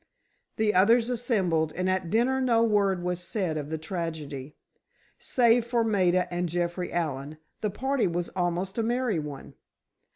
The others assembled, and at dinner no word was said of the tragedy. Save for Maida and Jeffrey Allen, the party was almost a merry one.